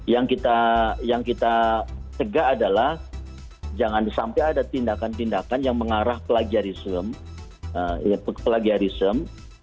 yang kita cegah adalah jangan sampai ada tindakan tindakan yang mengarah plagiarism